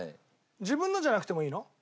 自分のじゃなくてもいいの？